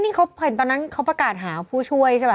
นี่เขาเห็นตอนนั้นเขาประกาศหาผู้ช่วยใช่ป่